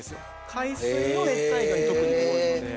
海水の熱帯魚に特に多いので。